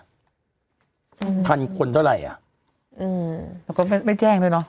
อืมพันคนเท่าไรอ่ะแต่ก็ไม่แจ้งด้วยเนอะ